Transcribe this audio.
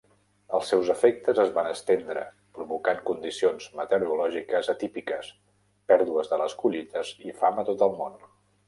Els seus efectes es van estendre, provocant condicions meteorològiques atípiques, pèrdues de les collites i fam a tot el món.